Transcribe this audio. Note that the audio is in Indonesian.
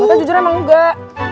kata jujur emang enggak